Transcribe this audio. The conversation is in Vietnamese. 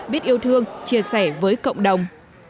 biết yêu thương chia sẻ với cộng đồng